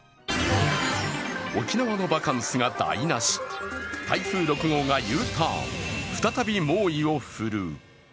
沖縄のバカンスが台なし、台風６号がＵターン、再び猛威を振るう。